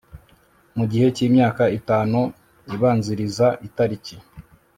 mu gihe cy imyaka itanu ibanziriza itariki